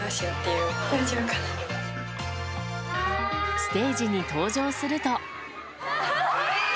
ステージに登場すると。